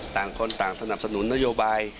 ต่างคนต่างสนับสนุนนโยบาย